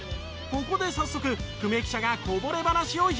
ここで早速久米記者がこぼれ話を拾う。